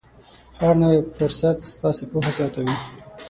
هر نوی فرصت ستاسې پوهه زیاتوي.